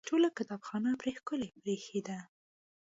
ټوله کتابخانه پرې ښکلې برېښېده.